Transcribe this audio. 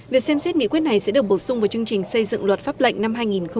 việc xem xét nghị quyết này sẽ được bổ sung vào chương trình xây dựng luật pháp lệnh năm hai nghìn hai mươi